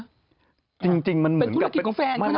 เป็นธุรกิจของแฟนเขานะ